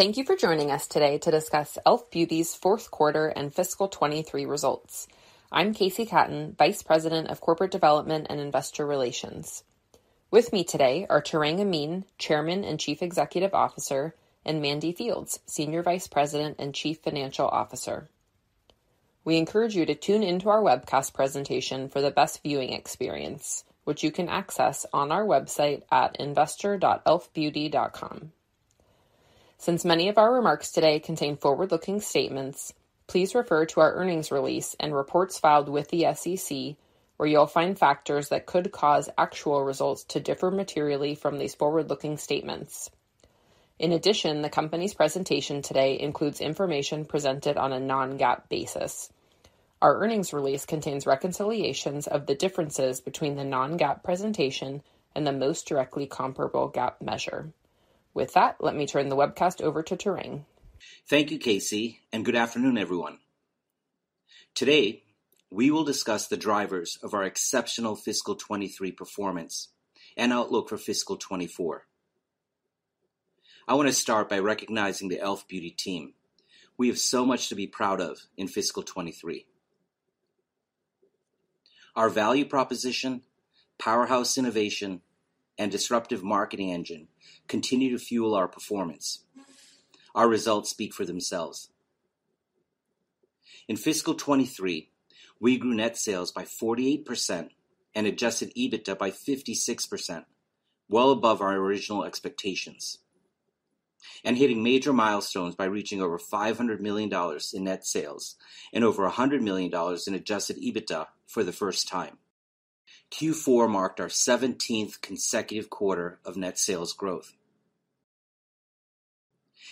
Thank you for joining us today to discuss e.l.f. Beauty's fourth quarter and fiscal 2023 results. I'm KC Katten, Vice President of Corporate Development and Investor Relations. With me today are Tarang Amin, Chairman and Chief Executive Officer, and Mandy Fields, Senior Vice President and Chief Financial Officer. We encourage you to tune into our webcast presentation for the best viewing experience, which you can access on our website at investor.elfbeauty.com. Since many of our remarks today contain forward-looking statements, please refer to our earnings release and reports filed with the SEC, where you'll find factors that could cause actual results to differ materially from these forward-looking statements. In addition, the company's presentation today includes information presented on a Non-GAAP basis. Our earnings release contains reconciliations of the differences between the Non-GAAP presentation and the most directly comparable GAAP measure. With that, let me turn the webcast over to Tarang. Thank you, KC, and good afternoon, everyone. Today, we will discuss the drivers of our exceptional fiscal 2023 performance and outlook for fiscal 2024. I want to start by recognizing the e.l.f. Beauty Team. We have so much to be proud of in fiscal 2023. Our value proposition, powerhouse innovation, and disruptive marketing engine continue to fuel our performance. Our results speak for themselves. In fiscal 2023, we grew net sales by 48% and Adjusted EBITDA by 56%, well above our original expectations, and hitting major milestones by reaching over $500 million in net sales and over $100 million in Adjusted EBITDA for the first time. Q4 marked our 17th consecutive quarter of net sales growth.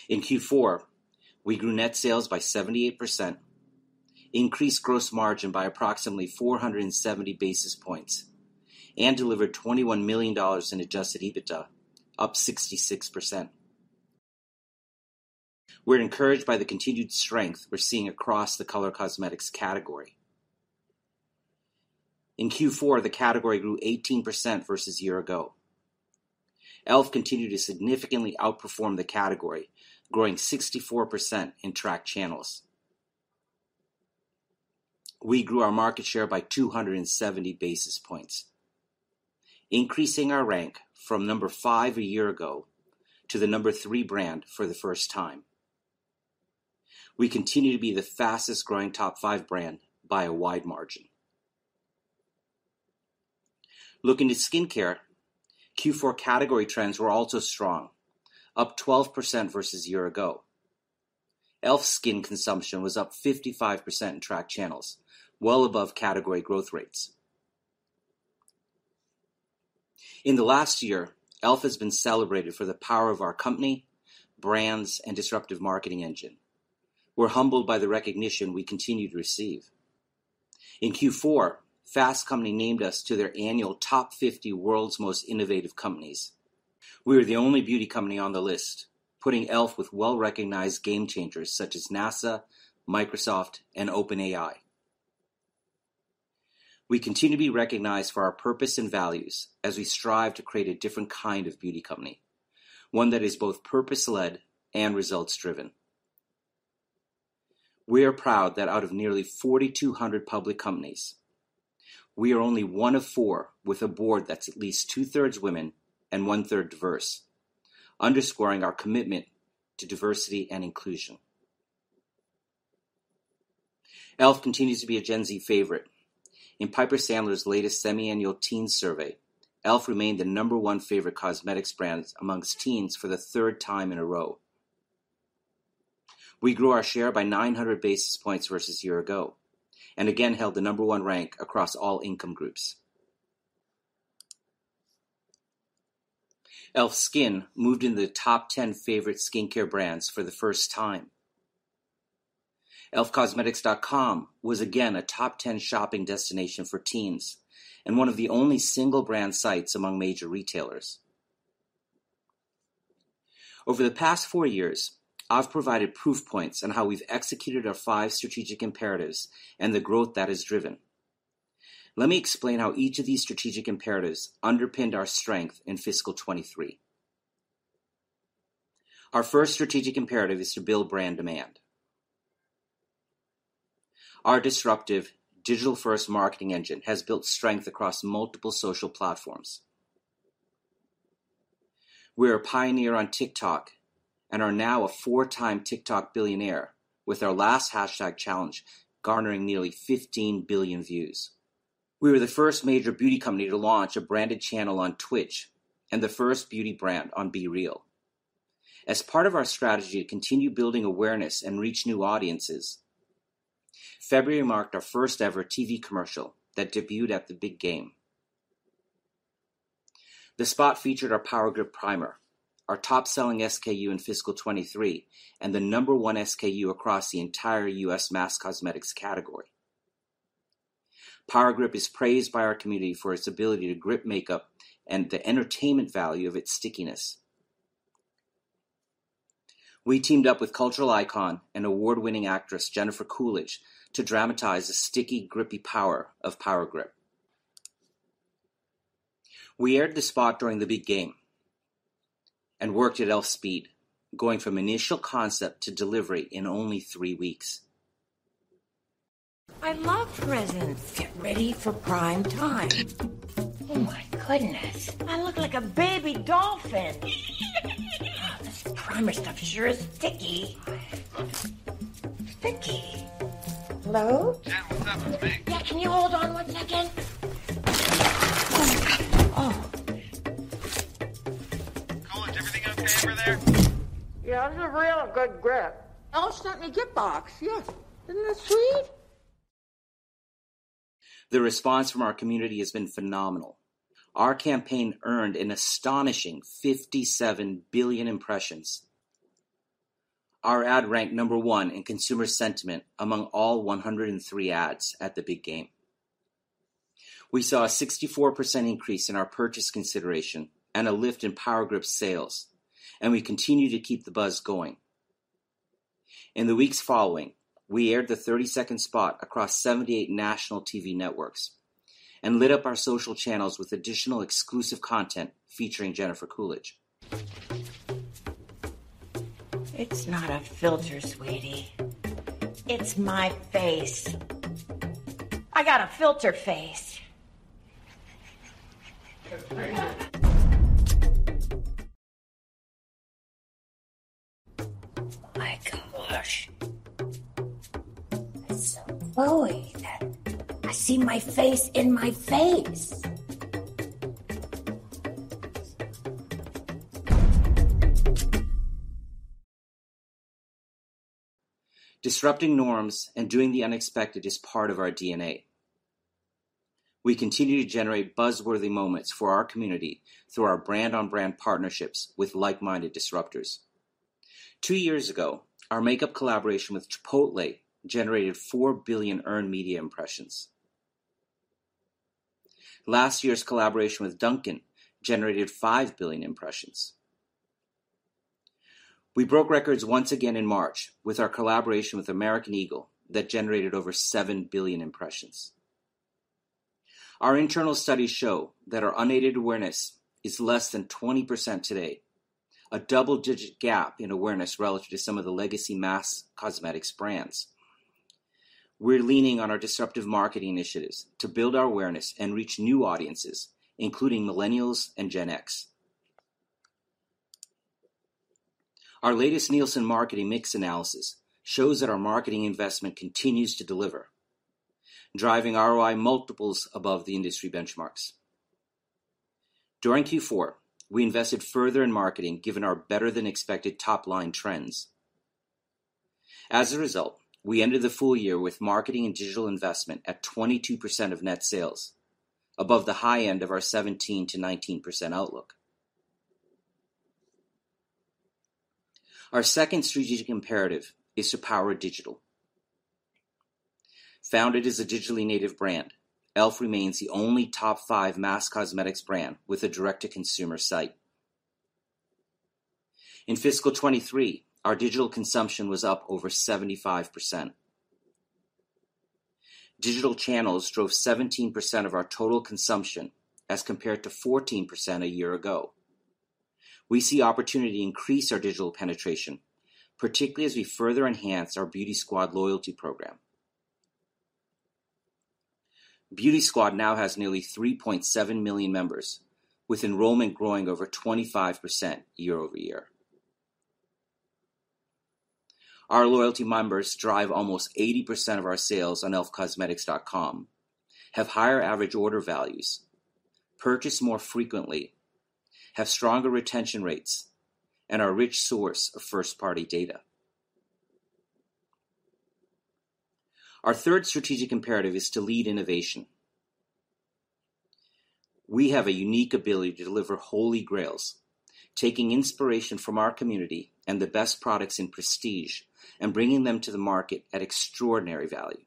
In Q4, we grew net sales by 78%, increased gross margin by approximately 470 basis points, and delivered $21 million in Adjusted EBITDA, up 66%. We're encouraged by the continued strength we're seeing across the color cosmetics category. In Q4, the category grew 18% versus year ago. e.l.f. continued to significantly outperform the category, growing 64% in tracked channels. We grew our market share by 270 basis points, increasing our rank from number five a year ago to the number three brand for the first time. We continue to be the fastest-growing top five brand by a wide margin. Looking to skincare, Q4 category trends were also strong, up 12% versus year ago. e.l.f. SKIN consumption was up 55% in tracked channels, well above category growth rates. In the last year, e.l.f. has been celebrated for the power of our company, brands, and disruptive marketing engine. We're humbled by the recognition we continue to receive. In Q4, Fast Company named us to their annual top 50 World's Most Innovative Companies. We were the only beauty company on the list, putting e.l.f. with well-recognized game changers such as NASA, Microsoft, and OpenAI. We continue to be recognized for our purpose and values as we strive to create a different kind of Beauty Company, one that is both purpose-led and results-driven. We are proud that out of nearly 4,200 public companies, we are only one of four with a board that's at least two-thirds women and one-third diverse, underscoring our commitment to diversity and inclusion. e.l.f. continues to be a Gen Z favorite. In Piper Sandler's latest semi-annual teen survey, e.l.f. remained the number one favorite cosmetics brand amongst teens for the third time in a row. We grew our share by 900 basis points versus year ago, and again held the number one rank across all income groups. e.l.f. SKIN moved into the top 10 favorite skincare brands for the first time. elfcosmetics.com was again a top 10 shopping destination for teens and one of the only single brand sites among major retailers. Over the past four years, I've provided proof points on how we've executed our five strategic imperatives and the growth that has driven. Let me explain how each of these strategic imperatives underpinned our strength in fiscal 23. Our first strategic imperative is to build brand demand. Our disruptive digital-first marketing engine has built strength across multiple social platforms. We're a pioneer on TikTok and are now a four-time TikTok billionaire, with our last hashtag challenge garnering nearly 15 billion views. We were the first major beauty company to launch a branded channel on Twitch and the first beauty brand on BeReal. As part of our strategy to continue building awareness and reach new audiences, February marked our first-ever TV commercial that debuted at the big game. The spot featured our Power Grip Primer, our top-selling SKU in fiscal 23 and the number 1 SKU across the entire U.S. mass cosmetics category. Power Grip is praised by our community for its ability to grip makeup and the entertainment value of its stickiness. We teamed up with cultural icon and award-winning actress Jennifer Coolidge to dramatize the sticky, grippy power of Power Grip. We aired the spot during the big game and worked at e.l.f. speed, going from initial concept to delivery in only three weeks I love presents. Get ready for prime time. Oh my goodness, I look like a baby dolphin. Oh, this primer stuff is sure sticky. Sticky. Hello? Jen, what's up? It's me. Yeah. Can you hold on one second? Oh, my God. Oh. Coolidge, everything okay over there? Yeah, this is a real good grip. e.l.f. sent me a gift box. Yeah. Isn't that sweet? The response from our community has been phenomenal. Our campaign earned an astonishing 57 billion impressions. Our ad ranked number one in consumer sentiment among all 103 ads at the big game. We saw a 64% increase in our purchase consideration and a lift in Power Grip sales. We continue to keep the buzz going. In the weeks following, we aired the 30-second spot across 78 national TV networks and lit up our social channels with additional exclusive content featuring Jennifer Coolidge. It's not a filter, sweetie, it's my face. I got a filter face. My gosh, it's so glowy that I see my face in my face. Disrupting norms and doing the unexpected is part of our DNA. We continue to generate buzz-worthy moments for our community through our brand-on-brand partnerships with like-minded disruptors. Two years ago, our makeup collaboration with Chipotle generated 4 billion earned media impressions. Last year's collaboration with Dunkin' generated 5 billion impressions. We broke records once again in March with our collaboration with American Eagle that generated over 7 billion impressions. Our internal studies show that our unaided awareness is less than 20% today, a double-digit gap in awareness relative to some of the legacy mass cosmetics brands. We're leaning on our disruptive marketing initiatives to build our awareness and reach new audiences, including millennials and Gen X. Our latest Nielsen marketing mix analysis shows that our marketing investment continues to deliver, driving ROI multiples above the industry benchmarks. During Q4, we invested further in marketing given our better than expected top-line trends. As a result, we ended the full year with marketing and digital investment at 22% of net sales, above the high end of our 17%-19% outlook. Our second strategic imperative is to power digital. Founded as a digitally native brand, e.l.f. remains the only top five mass cosmetics brand with a direct-to-consumer site. In fiscal 23, our digital consumption was up over 75%. Digital channels drove 17% of our total consumption as compared to 14% a year ago. We see opportunity to increase our digital penetration, particularly as we further enhance our Beauty Squad loyalty program. Beauty Squad now has nearly 3.7 million members, with enrollment growing over 25% year-over-year. Our loyalty members drive almost 80% of our sales on elfcosmetics.com, have higher average order values, purchase more frequently, have stronger retention rates, and are a rich source of first-party data. Our third strategic imperative is to lead innovation. We have a unique ability to deliver holy grails, taking inspiration from our community and the best products in prestige and bringing them to the market at extraordinary value.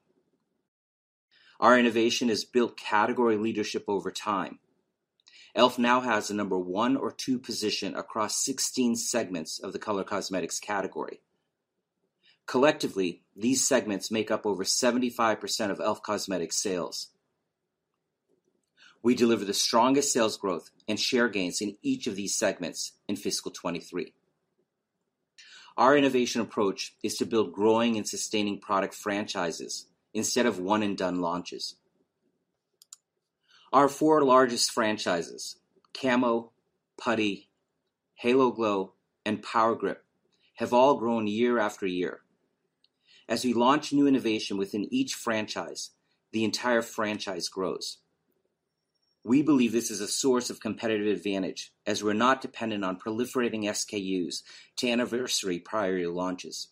Our innovation has built category leadership over time. e.l.f. now has the number one or two position across 16 segments of the color cosmetics category. Collectively, these segments make up over 75% of e.l.f. Cosmetics sales. We deliver the strongest sales growth and share gains in each of these segments in fiscal 2023. Our innovation approach is to build growing and sustaining product franchises instead of one and done launches. Our four largest franchises, Camo, Putty, Halo Glow, and Power Grip, have all grown year after year. We launch new innovation within each franchise, the entire franchise grows. We believe this is a source of competitive advantage as we're not dependent on proliferating SKUs to anniversary prior year launches.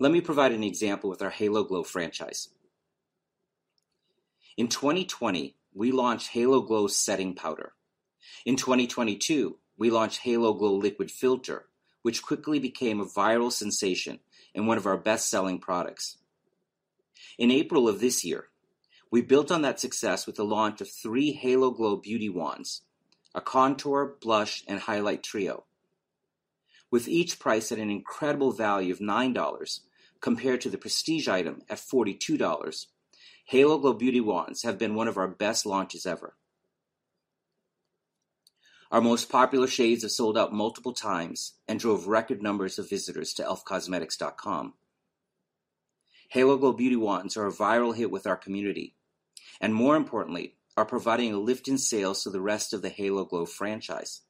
Let me provide an example with our Halo Glow franchise. In 2020, we launched Halo Glow Setting Powder. In 2022, we launched Halo Glow Liquid Filter, which quickly became a viral sensation and one of our best-selling products. In April of this year, we built on that success with the launch of three Halo Glow Beauty Wands, a contour, blush, and highlight trio. With each price at an incredible value of $9 compared to the prestige item at $42, Halo Glow Beauty Wands have been one of our best launches ever. Our most popular shades have sold out multiple times and drove record numbers of visitors to elfcosmetics.com. Halo Glow Beauty Wands are a viral hit with our community, and more importantly, are providing a lift in sales to the rest of the Halo Glow franchise.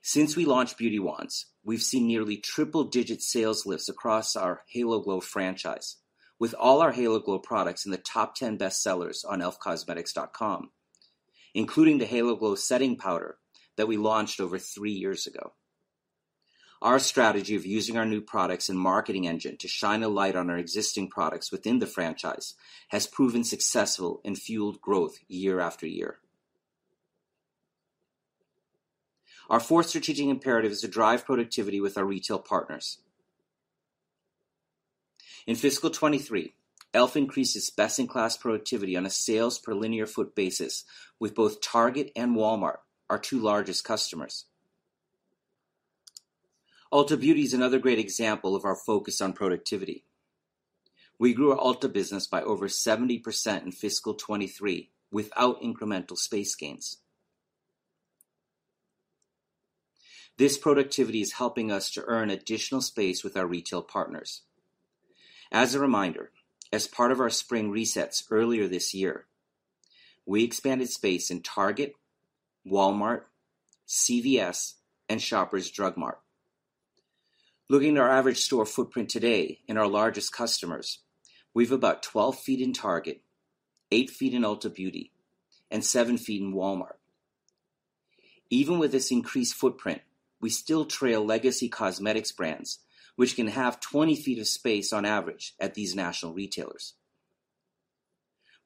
Since we launched Beauty Wands, we've seen nearly triple-digit sales lifts across our Halo Glow franchise with all our Halo Glow products in the top 10 bestsellers on elfcosmetics.com, including the Halo Glow Setting Powder that we launched over three years ago. Our strategy of using our new products and marketing engine to shine a light on our existing products within the franchise has proven successful and fueled growth year after year. Our fourth strategic imperative is to drive productivity with our retail partners. In fiscal 2023, e.l.f. increased its best-in-class productivity on a sales per linear foot basis with both Target and Walmart, our two largest customers. Ulta Beauty is another great example of our focus on productivity. We grew our Ulta business by over 70% in fiscal 2023 without incremental space gains. This productivity is helping us to earn additional space with our retail partners. As a reminder, as part of our spring resets earlier this year, we expanded space in Target, Walmart, CVS, and Shoppers Drug Mart. Looking at our average store footprint today in our largest customers, we have about 12 feet in Target, eight feet in Ulta Beauty, and seven feet in Walmart. Even with this increased footprint, we still trail legacy cosmetics brands, which can have 20 feet of space on average at these national retailers.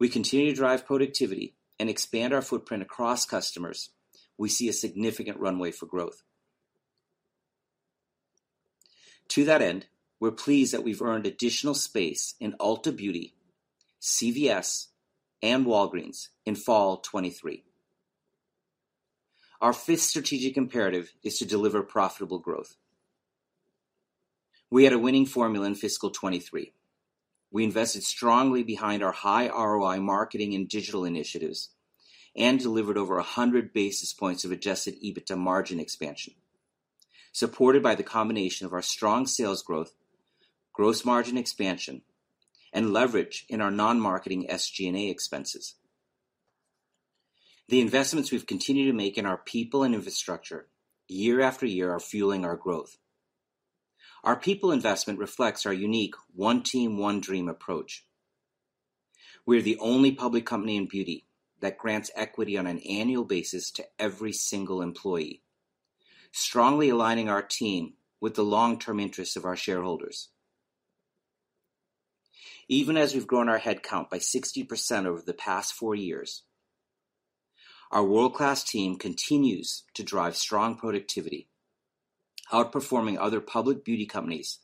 We continue to drive productivity and expand our footprint across customers, we see a significant runway for growth. To that end, we're pleased that we've earned additional space in Ulta Beauty, CVS, and Walgreens in fall 2023. Our fifth strategic imperative is to deliver profitable growth. We had a winning formula in fiscal 2023. We invested strongly behind our high ROI marketing and digital initiatives and delivered over 100 basis points of Adjusted EBITDA margin expansion, supported by the combination of our strong sales growth, gross margin expansion, and leverage in our non-marketing SG&A expenses. The investments we've continued to make in our people and infrastructure year after year are fueling our growth. Our people investment reflects our Unique One Team, one dream approach. We are the only public company in beauty that grants equity on an annual basis to every single employee, strongly aligning our team with the long-term interests of our shareholders. Even as we've grown our headcount by 60% over the past four years, our world-class team continues to drive strong productivity, outperforming other public beauty companies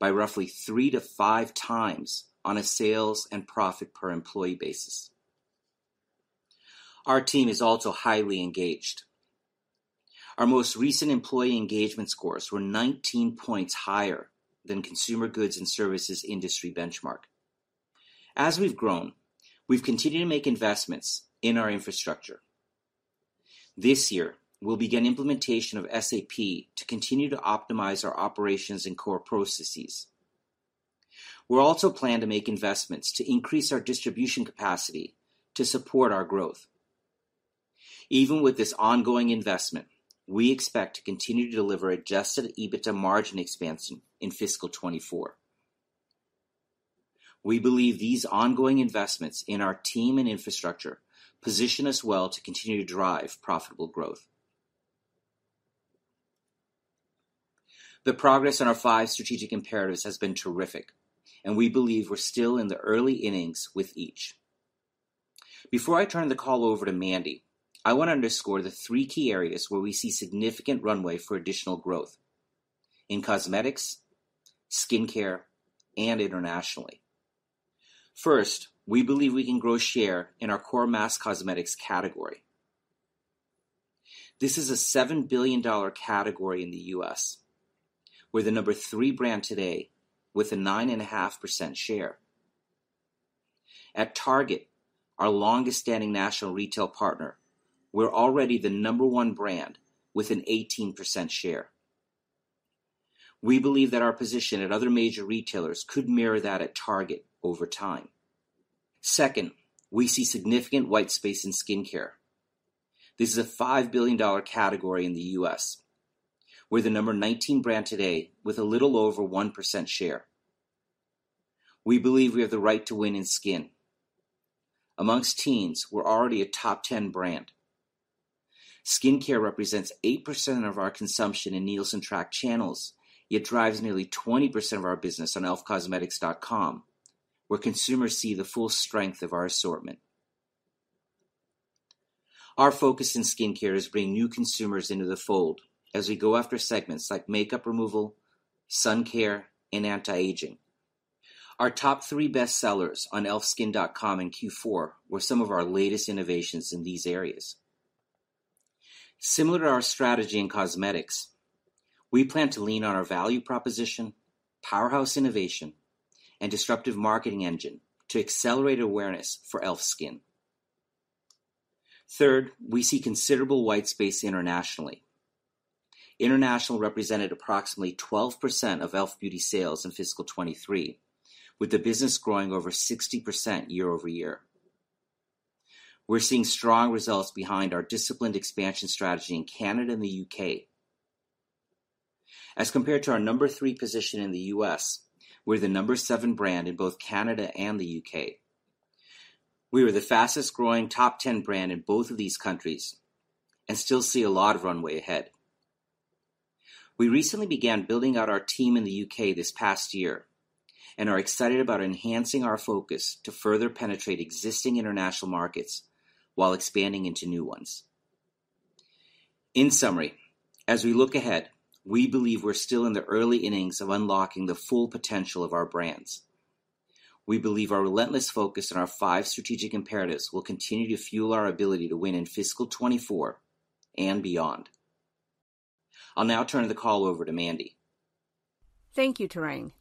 by roughly three to five times on a sales and profit per employee basis. Our team is also highly engaged. Our most recent employee engagement scores were 19 points higher than consumer goods and services industry benchmark. As we've grown, we've continued to make investments in our infrastructure. This year, we'll begin implementation of SAP to continue to optimize our operations and core processes. We also plan to make investments to increase our distribution capacity to support our growth. Even with this ongoing investment, we expect to continue to deliver Adjusted EBITDA margin expansion in fiscal 2024. We believe these ongoing investments in our team and infrastructure position us well to continue to drive profitable growth. The progress on our five strategic imperatives has been terrific, and we believe we're still in the early innings with each. Before I turn the call over to Mandy, I want to underscore the three key areas where we see significant runway for additional growth: in cosmetics, skincare, and internationally. First, we believe we can grow share in our core mass cosmetics category. This is a $7 billion category in the U.S. We're the number three brand today with a 9.5% share. At Target, our longest standing national retail partner, we're already the number 1 brand with an 18% share. We believe that our position at other major retailers could mirror that at Target over time. Second, we see significant white space in skincare. This is a $5 billion category in the U.S. We're the number 19 brand today with a little over 1% share. We believe we have the right to win in skin. Amongst teens, we're already a top 10 brand. Skincare represents 8% of our consumption in Nielsen track channels, yet drives nearly 20% of our business on elfcosmetics.com, where consumers see the full strength of our assortment. Our focus in skincare is bringing new consumers into the fold as we go after segments like makeup removal, sun care, and anti-aging. Our top three best sellers on elfskin.com in Q4 were some of our latest innovations in these areas. Similar to our strategy in cosmetics, we plan to lean on our value proposition, powerhouse innovation, and disruptive marketing engine to accelerate awareness for e.l.f. SKIN. Third, we see considerable white space internationally. International represented approximately 12% of e.l.f. Beauty sales in fiscal 2023, with the business growing over 60% year-over-year. We're seeing strong results behind our disciplined expansion strategy in Canada and the U.K. As compared to our number three position in the U.S., we're the number seven brand in both Canada and the U.K. We were the fastest-growing top 10 brand in both of these countries and still see a lot of runway ahead. We recently began building out our team in the U.K. this past year and are excited about enhancing our focus to further penetrate existing international markets while expanding into new ones. In summary, as we look ahead, we believe we're still in the early innings of unlocking the full potential of our brands. We believe our relentless focus on our five strategic imperatives will continue to fuel our ability to win in fiscal 2024 and beyond. I'll now turn the call over to Mandy. Thank you, Tarang.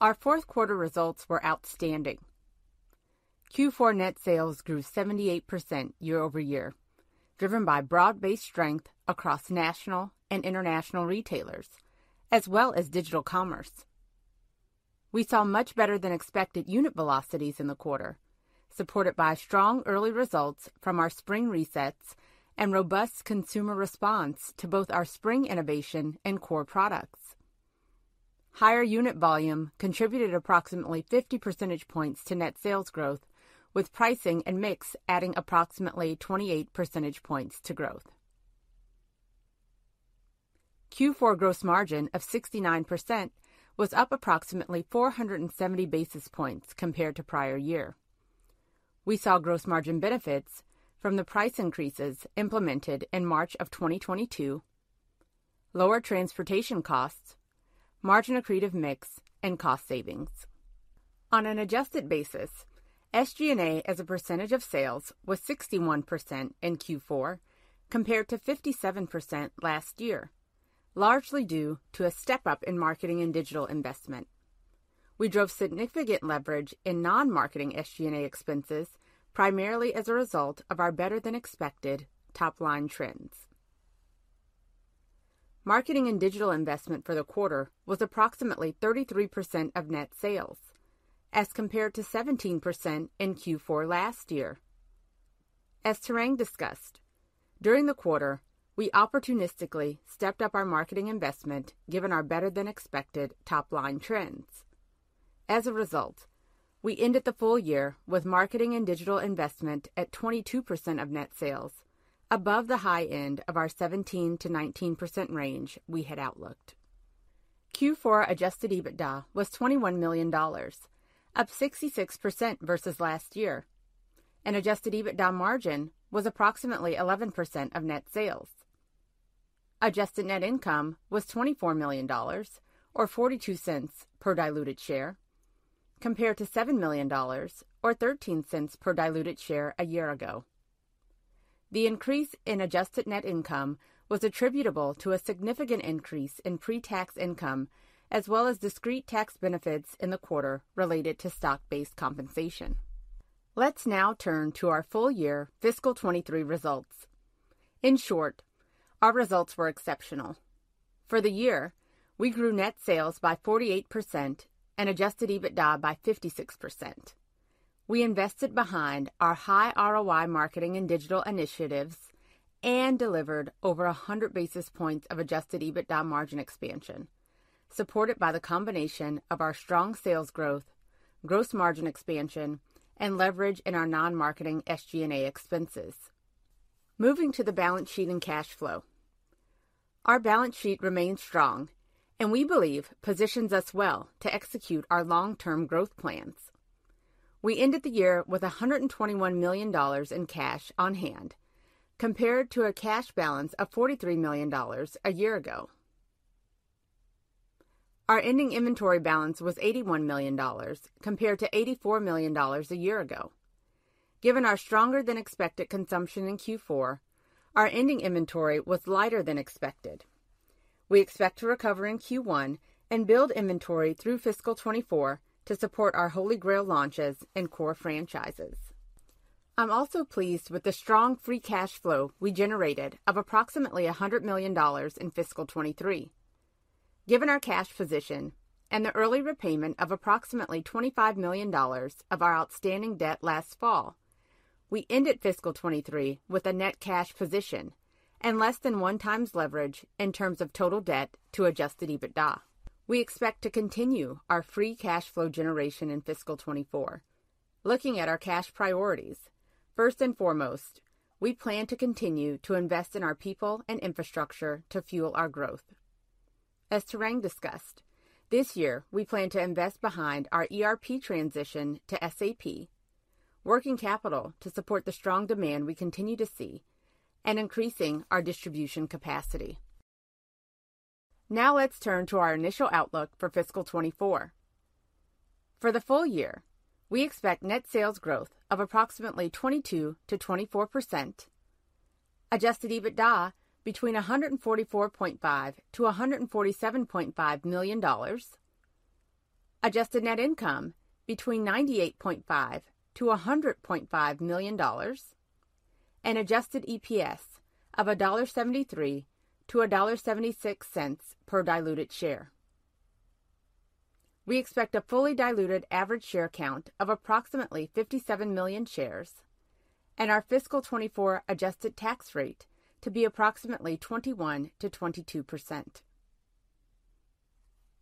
Our fourth quarter results were outstanding. Q4 net sales grew 78% year-over-year, driven by broad-based strength across national and international retailers as well as digital commerce. We saw much better than expected unit velocities in the quarter, supported by strong early results from our spring resets and robust consumer response to both our spring innovation and core products. Higher unit volume contributed approximately 50 percentage points to net sales growth, with pricing and mix adding approximately 28 percentage points to growth. Q4 gross margin of 69% was up approximately 470 basis points compared to prior year. We saw gross margin benefits from the price increases implemented in March of 2022, lower transportation costs, margin accretive mix, and cost savings. On an adjusted basis, SG&A as a percentage of sales was 61% in Q4 compared to 57% last year, largely due to a step-up in marketing and digital investment. We drove significant leverage in non-marketing SG&A expenses, primarily as a result of our better-than-expected top-line trends. Marketing and digital investment for the quarter was approximately 33% of net sales as compared to 17% in Q4 last year. As Tarang discussed, during the quarter, we opportunistically stepped up our marketing investment given our better-than-expected top-line trends. As a result, we ended the full year with marketing and digital investment at 22% of net sales above the high end of our 17%-19% range we had outlooked. Q4 Adjusted EBITDA was $21 million, up 66% versus last year, and Adjusted EBITDA margin was approximately 11% of net sales. Adjusted net income was $24 million or $0.42 per diluted share, compared to $7 million or $0.13 per diluted share a year ago. The increase in adjusted net income was attributable to a significant increase in pre-tax income as well as discrete tax benefits in the quarter related to stock-based compensation. Let's now turn to our full year fiscal 23 results. In short, our results were exceptional. For the year, we grew net sales by 48% and Adjusted EBITDA by 56%. We invested behind our high ROI marketing and digital initiatives and delivered over 100 basis points of Adjusted EBITDA margin expansion, supported by the combination of our strong sales growth, gross margin expansion, and leverage in our non-marketing SG&A expenses. Moving to the balance sheet and cash flow. Our balance sheet remains strong and we believe positions us well to execute our long-term growth plans. We ended the year with $121 million in cash on hand compared to a cash balance of $43 million a year ago. Our ending inventory balance was $81 million, compared to $84 million a year ago. Given our stronger-than-expected consumption in Q4, our ending inventory was lighter than expected. We expect to recover in Q1 and build inventory through fiscal 2024 to support our Holy Grail launches and core franchises. I'm also pleased with the strong free cash flow we generated of approximately $100 million in fiscal 2023. Given our cash position and the early repayment of approximately $25 million of our outstanding debt last fall, we ended fiscal 2023 with a net cash position and less than 1 times leverage in terms of total debt to Adjusted EBITDA. We expect to continue our free cash flow generation in fiscal 2024. Looking at our cash priorities, first and foremost, we plan to continue to invest in our people and infrastructure to fuel our growth. As Tarang discussed, this year, we plan to invest behind our ERP transition to SAP, working capital to support the strong demand we continue to see, and increasing our distribution capacity. Let's turn to our initial outlook for fiscal 2024. For the full year, we expect net sales growth of approximately 22%-24%, Adjusted EBITDA between $144.5 million-$147.5 million, adjusted net income between $98.5 million-$100.5 million, and Adjusted EPS of $1.73-$1.76 per diluted share. We expect a fully diluted average share count of approximately 57 million shares and our fiscal 2024 adjusted tax rate to be approximately 21%-22%.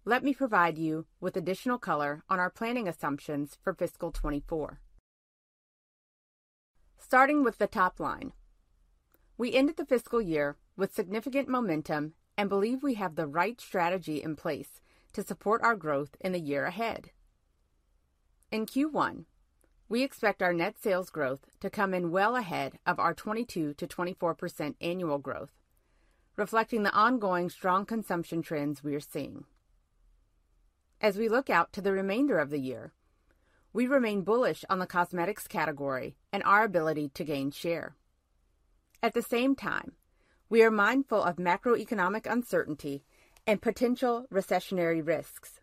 Let me provide you with additional color on our planning assumptions for fiscal 2024. Starting with the top line, we ended the fiscal year with significant momentum and believe we have the right strategy in place to support our growth in the year ahead. In Q1, we expect our net sales growth to come in well ahead of our 22%-24% annual growth, reflecting the ongoing strong consumption trends we are seeing. We look out to the remainder of the year, we remain bullish on the cosmetics category and our ability to gain share. At the same time, we are mindful of macroeconomic uncertainty and potential recessionary risks.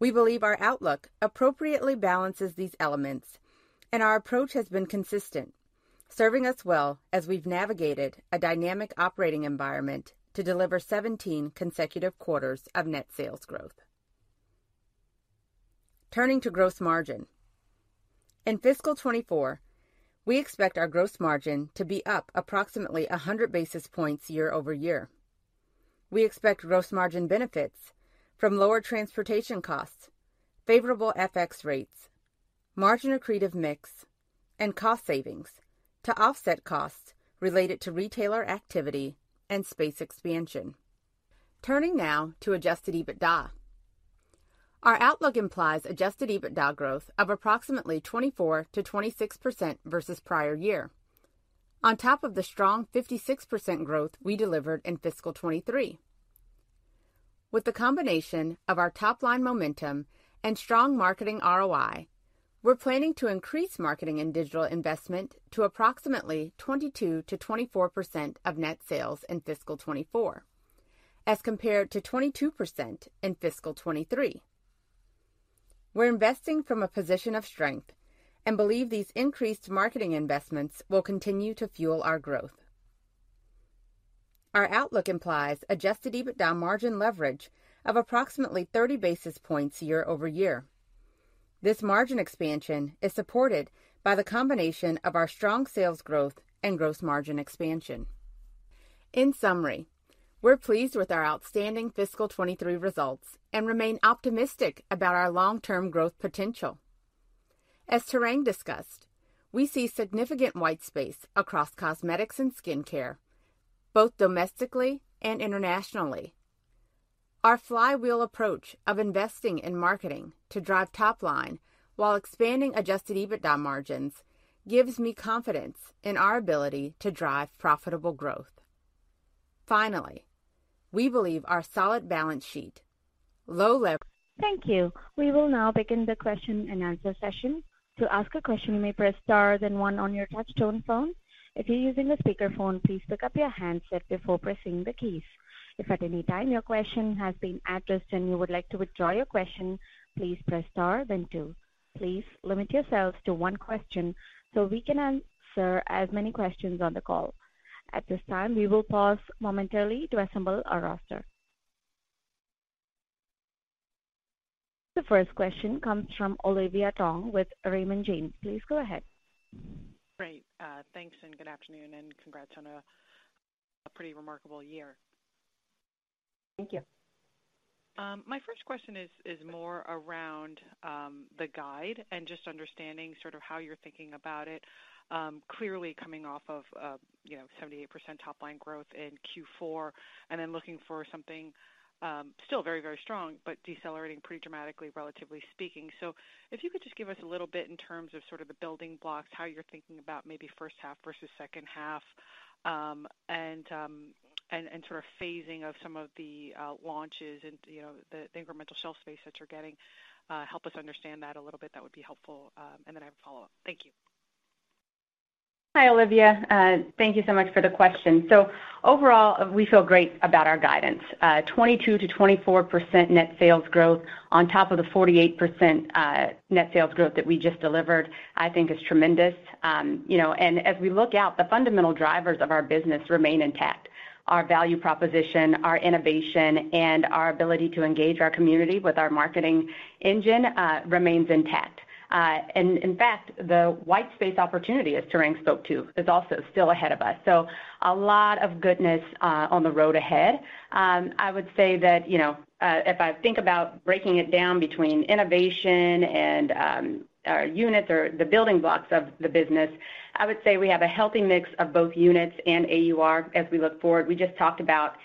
We believe our outlook appropriately balances these elements, our approach has been consistent, serving us well as we've navigated a dynamic operating environment to deliver 17 consecutive quarters of net sales growth. Turning to gross margin. In fiscal 2024, we expect our gross margin to be up approximately 100 basis points year over year. We expect gross margin benefits from lower transportation costs, favorable FX rates, margin accretive mix, and cost savings to offset costs related to retailer activity and space expansion. Turning now to Adjusted EBITDA. Our outlook implies Adjusted EBITDA growth of approximately 24%-26% versus prior year. On top of the strong 56% growth we delivered in fiscal 2023. With the combination of our top-line momentum and strong marketing ROI, we're planning to increase marketing and digital investment to approximately 22%-24% of net sales in fiscal 2024 as compared to 22% in fiscal 2023. We're investing from a position of strength and believe these increased marketing investments will continue to fuel our growth. Our outlook implies Adjusted EBITDA margin leverage of approximately 30 basis points year-over-year. This margin expansion is supported by the combination of our strong sales growth and gross margin expansion. In summary, we're pleased with our outstanding fiscal 23 results and remain optimistic about our long-term growth potential. As Tarang discussed, we see significant white space across cosmetics and skincare, both domestically and internationally. Our flywheel approach of investing in marketing to drive top line while expanding Adjusted EBITDA margins gives me confidence in our ability to drive profitable growth. Finally, we believe our solid balance sheet, low Thank you. We will now begin the question and answer session. To ask a question, you may press star then one on your touchtone phone. If you're using a speakerphone, please pick up your handset before pressing the keys. If at any time your question has been addressed and you would like to withdraw your question, please press star then two. Please limit yourselves to one question so we can answer as many questions on the call. At this time, we will pause momentarily to assemble our roster. The first question comes from Olivia Tong with Raymond James. Please go ahead. Great. Thanks good afternoon, congrats on a pretty remarkable year. Thank you. My first question is more around the guide and just understanding sort of how you're thinking about it. Clearly coming off of, you know, 78% top line growth in Q4 and then looking for something still very, very strong, but decelerating pretty dramatically, relatively speaking. If you could just give us a little bit in terms of sort of the building blocks, how you're thinking about maybe first half vs. second half, and sort of phasing of some of the launches and, you know, the incremental shelf space that you're getting, help us understand that a little bit. That would be helpful. I have a follow-up. Thank you. Hi, Olivia. Thank you so much for the question. Overall, we feel great about our guidance. 22%-24% net sales growth on top of the 48% net sales growth that we just delivered, I think is tremendous. You know, and as we look out, the fundamental drivers of our business remain intact. Our value proposition, our innovation, and our ability to engage our community with our marketing engine remains intact. In fact, the white space opportunity, as Tarang spoke to, is also still ahead of us. A lot of goodness on the road ahead. I would say that, if I think about breaking it down between innovation and our units or the building blocks of the business, I would say we have a healthy mix of both units and AUR as we look forward. We just talked about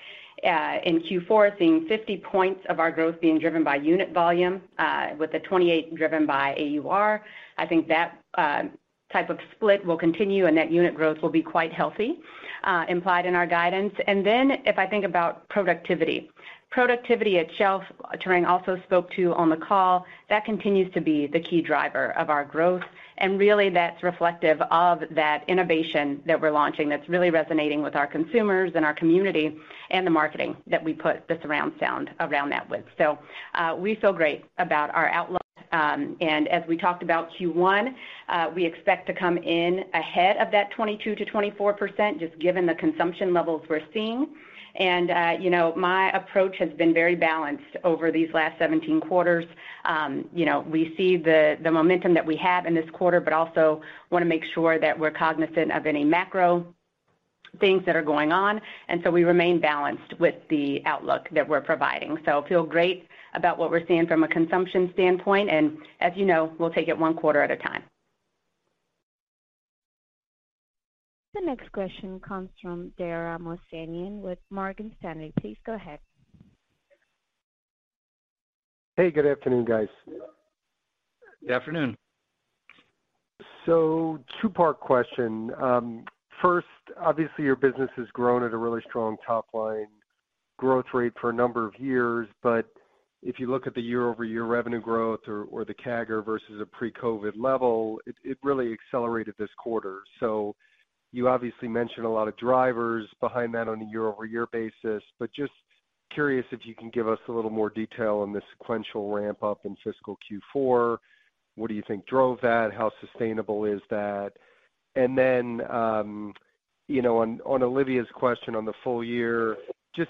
in Q4 seeing 50 points of our growth being driven by unit volume, with the 28 driven by AUR. I think that type of split will continue and that unit growth will be quite healthy, implied in our guidance. If I think about productivity. Productivity at shelf, Tarang Amin also spoke to on the call, that continues to be the key driver of our growth. That's reflective of that innovation that we're launching that's really resonating with our consumers and our community and the marketing that we put the surround sound around that with. We feel great about our outlook as we talked about Q1, we expect to come in ahead of that 22%-24%, just given the consumption levels we're seeing. You know, my approach has been very balanced over these last 17 quarters. You know, we see the momentum that we have in this quarter, but also want to make sure that we're cognizant of any macro things that are going on. We remain balanced with the outlook that we're providing. Feel great about what we're seeing from a consumption standpoint, and as you know, we'll take it 1 quarter at a time. The next question comes from Dara Mohsenian with Morgan Stanley. Please go ahead. Hey, good afternoon, guys. Good afternoon. Two-part question. First, obviously, your business has grown at a really strong top line growth rate for a number of years. If you look at the year-over-year revenue growth or the CAGR versus a pre-COVID level, it really accelerated this quarter. You obviously mentioned a lot of drivers behind that on a year-over-year basis. Just curious if you can give us a little more detail on the sequential ramp up in fiscal Q4. What do you think drove that? How sustainable is that? You know, on Olivia's question on the full year, just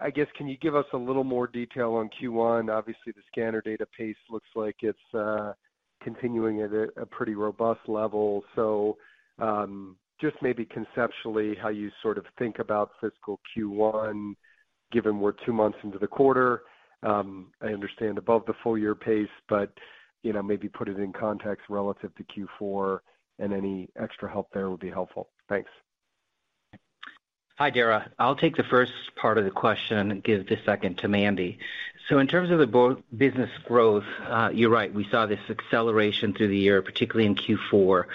I guess, can you give us a little more detail on Q1? Obviously, the scanner data pace looks like it's continuing at a pretty robust level. Just maybe conceptually how you sort of think about fiscal Q1, given we're two months into the quarter. I understand above the full year pace, but, you know, maybe put it in context relative to Q4 and any extra help there would be helpful. Thanks. Hi, Dara. I'll take the first part of the question and give the second to Mandy. In terms of business growth, you're right, we saw this acceleration through the year, particularly in Q4.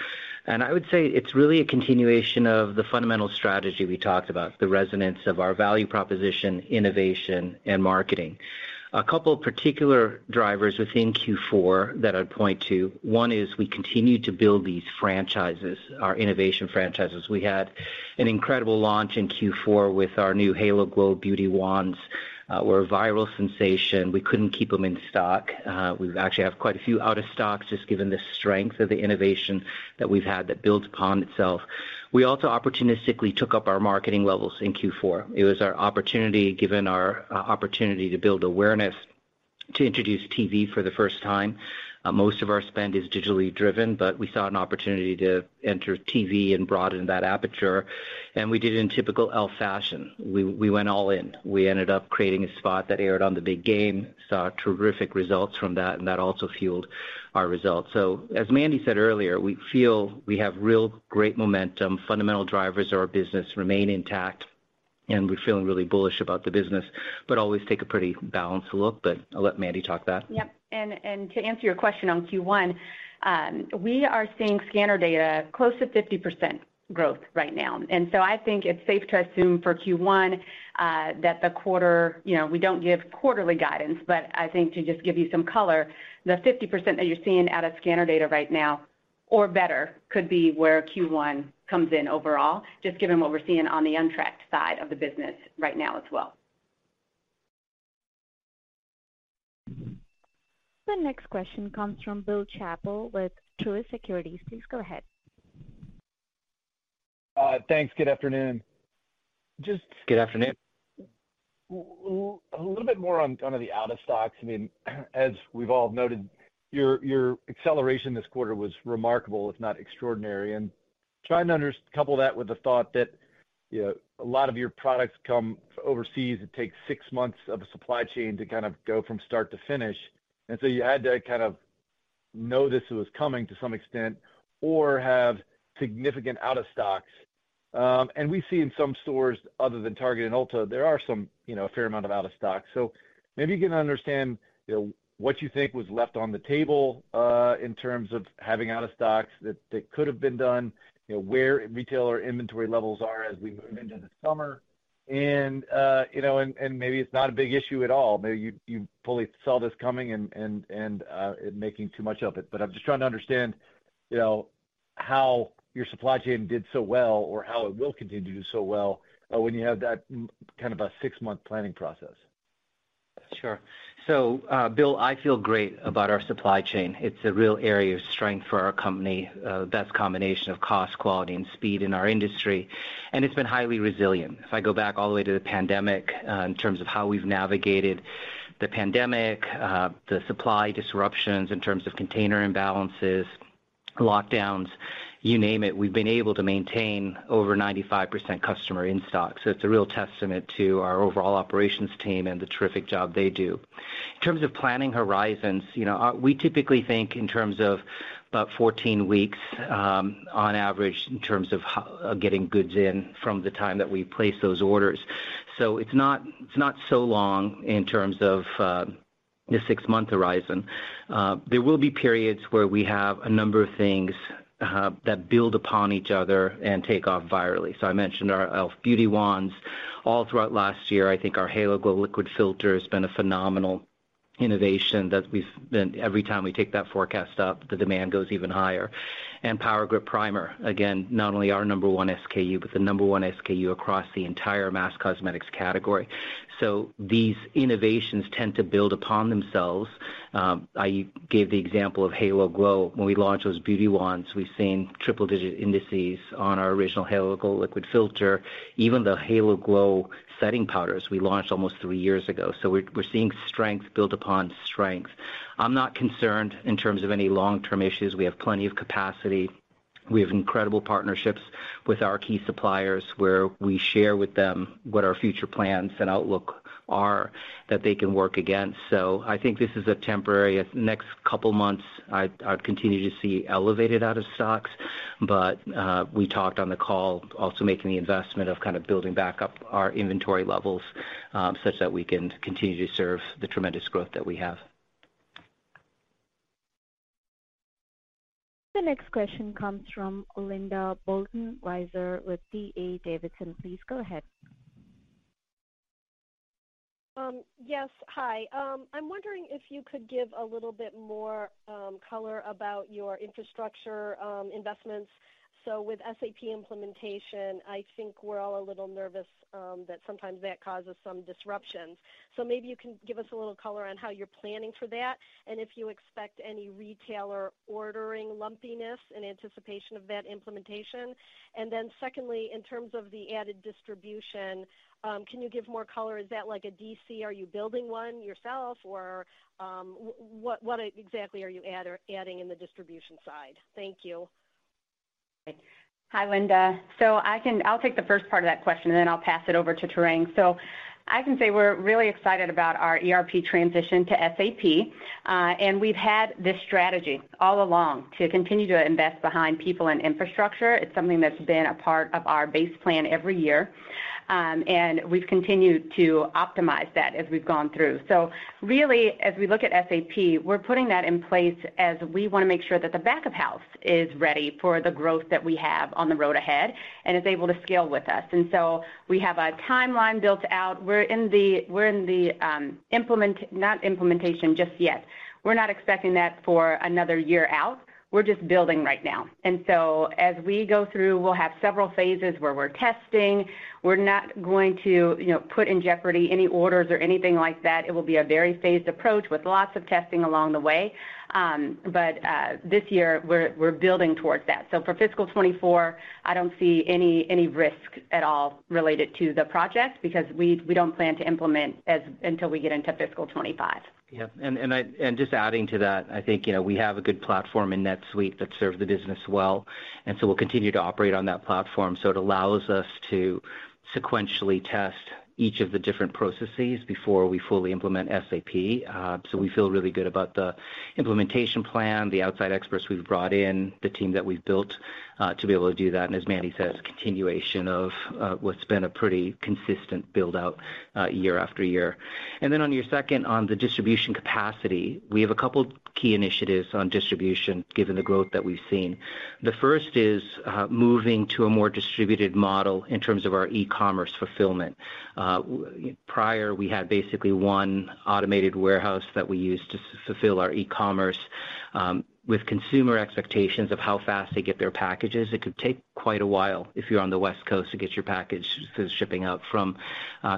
I would say it's really a continuation of the fundamental strategy we talked about, the resonance of our Value Proposition, Innovation and Marketing. A couple of particular drivers within Q4 that I'd point to. One is we continue to build these franchises, our innovation franchises. We had an incredible launch in Q4 with our new Halo Glow Beauty Wands, were a viral sensation. We couldn't keep them in stock. We actually have quite a few out of stocks just given the strength of the innovation that we've had that builds upon itself. We also opportunistically took up our marketing levels in Q4. It was our opportunity, given our opportunity to build awareness, to introduce TV for the first time. Most of our spend is digitally driven, but we saw an opportunity to enter TV and broaden that aperture, and we did it in typical e.l.f. fashion. We went all in. We ended up creating a spot that aired on the big game, saw terrific results from that, and that also fueled our results. As Mandy said earlier, we feel we have real great momentum. Fundamental drivers of our business remain intact, and we're feeling really bullish about the business, but always take a pretty balanced look. I'll let Mandy talk that. Yep. To answer your question on Q1, we are seeing scanner data close to 50% growth right now. I think it's safe to assume for Q1, you know, we don't give quarterly guidance, but I think to just give you some color, the 50% that you're seeing out of scanner data right now, or better, could be where Q1 comes in overall, just given what we're seeing on the untracked side of the business right now as well. The next question comes from Bill Chappell with Truist Securities. Please go ahead. Thanks. Good afternoon. Good afternoon. A little bit more on the out of stocks. I mean, as we've all noted, your acceleration this quarter was remarkable, if not extraordinary. Trying to couple that with the thought that, you know, a lot of your products come overseas. It takes six months of a supply chain to kind of go from start to finish. You had to kind of know this was coming to some extent or have significant out of stocks. We see in some stores other than Target and Ulta, there are some, you know, a fair amount of out of stock. Maybe you can understand, you know, what you think was left on the table, in terms of having out of stocks that could have been done, you know, where retailer inventory levels are as we move into the summer. You know, maybe it's not a big issue at all. Maybe you fully saw this coming and making too much of it. I'm just trying to understand, you know, how your supply chain did so well or how it will continue to do so well when you have that kind of a six-month planning process. Sure. Bill, I feel great about our supply chain. It's a real area of strength for our company. The best combination of cost, quality, and speed in our industry, and it's been highly resilient. If I go back all the way to the pandemic, in terms of how we've navigated the pandemic, the supply disruptions in terms of container imbalances, lockdowns, you name it, we've been able to maintain over 95% customer in-stock. It's a real testament to our overall operations team and the terrific job they do. In terms of planning horizons, you know, we typically think in terms of about 14 weeks, on average in terms of getting goods in from the time that we place those orders. It's not, it's not so long in terms of the 6-month horizon. There will be periods where we have a number of things that build upon each other and take off virally. I mentioned our e.l.f. Beauty Wands all throughout last year. I think our Halo Glow Liquid Filter has been a phenomenal innovation every time we take that forecast up, the demand goes even higher. Power Grip Primer, again, not only our number 1 SKU, but the number one SKU across the entire mass cosmetics category. These innovations tend to build upon themselves. I gave the example of Halo Glow. When we launched those beauty wands, we've seen triple-digit indices on our original Halo Glow Liquid Filter, even the Halo Glow Setting Powders we launched almost 3 years ago. We're seeing strength build upon strength. I'm not concerned in terms of any long-term issues. We have plenty of capacity. We have incredible partnerships with our key suppliers, where we share with them what our future plans and outlook are that they can work against. I think this is a temporary. Next couple months, I'd continue to see elevated out of stocks, but we talked on the call also making the investment of kind of building back up our inventory levels, such that we can continue to serve the tremendous growth that we have. The next question comes from Linda Bolton-Weiser with D.A. Davidson. Please go ahead. Yes. Hi. I'm wondering if you could give a little bit more color about your infrastructure investments. With SAP implementation, I think we're all a little nervous that sometimes that causes some disruptions. Maybe you can give us a little color on how you're planning for that and if you expect any retailer ordering lumpiness in anticipation of that implementation. Secondly, in terms of the added distribution, can you give more color? Is that like a DC? Are you building one yourself or what exactly are you adding in the distribution side? Thank you. Hi, Linda. I'll take the first part of that question, and then I'll pass it over to Tarang. I can say we're really excited about our ERP transition to SAP, and we've had this strategy all along to continue to invest behind people and infrastructure. It's something that's been a part of our base plan every year, and we've continued to optimize that as we've gone through. Really, as we look at SAP, we're putting that in place as we want to make sure that the back of house is ready for the growth that we have on the road ahead and is able to scale with us. We have a timeline built out. We're in the not implementation just yet. We're not expecting that for another year out. We're just building right now. As we go through, we'll have several phases where we're testing. We're not going to, you know, put in jeopardy any orders or anything like that. It will be a very phased approach with lots of testing along the way. But this year we're building towards that. For fiscal 2024, I don't see any risk at all related to the project because we don't plan to implement until we get into fiscal 2025. Just adding to that, I think, you know, we have a good platform in NetSuite that serves the business well, and we'll continue to operate on that platform. It allows us to sequentially test each of the different processes before we fully implement SAP. We feel really good about the implementation plan, the outside experts we've brought in, the team that we've built, to be able to do that. As Mandy said, it's continuation of what's been a pretty consistent build-out year after year. Then on your second, on the distribution capacity, we have a couple key initiatives on distribution given the growth that we've seen. The first is, moving to a more distributed model in terms of our e-commerce fulfillment. Prior, we had basically one automated warehouse that we used to fulfill our e-commerce. With consumer expectations of how fast they get their packages, it could take quite a while if you're on the West Coast to get your package because it's shipping out from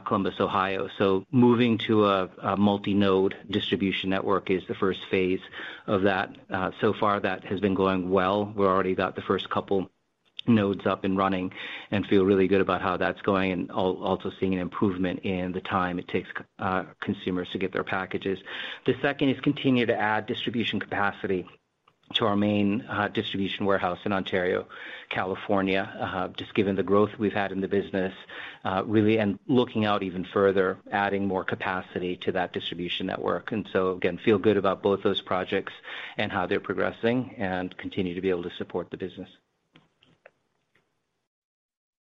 Columbus, Ohio. Moving to a multi-node distribution network is the first phase of that. So far, that has been going well. We're already got the first couple nodes up and running and feel really good about how that's going and also seeing an improvement in the time it takes consumers to get their packages. The second is continue to add distribution capacity to our main distribution warehouse in Ontario, California, just given the growth we've had in the business, really, and looking out even further, adding more capacity to that distribution network. Again, feel good about both those projects and how they're progressing and continue to be able to support the business.